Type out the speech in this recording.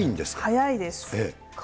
早いです。